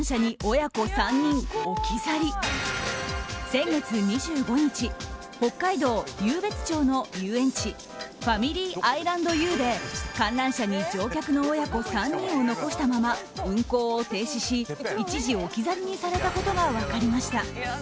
先月２５日北海道湧別町の遊園地ファミリー愛ランドＹＯＵで観覧車に乗客の親子３人を残したまま運行を停止し一時、置き去りにされたことが分かりました。